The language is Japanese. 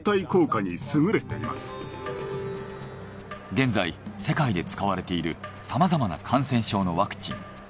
現在世界で使われているさまざまな感染症のワクチン。